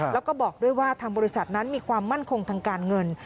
แล้วก็บอกด้วยว่าทางบริษัทนั้นมีความมั่นคงทางการเงิน